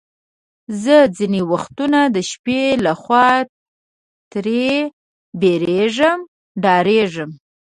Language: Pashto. زه ځینې وختونه د شپې له خوا ترې بیریږم، ډارېږم.